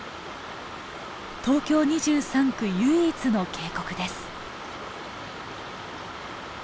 東京２３区唯一の渓谷です。